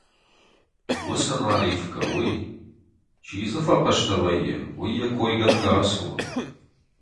Уыцы наливкӕ, уый! Чи дзы фӕхъӕстӕ вӕййы, уый йӕ койгӕнгӕ ацӕуы.